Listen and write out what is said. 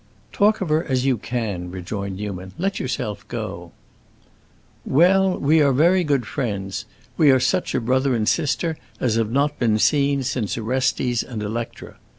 "Talk of her as you can," rejoined Newman. "Let yourself go." "Well, we are very good friends; we are such a brother and sister as have not been seen since Orestes and Electra.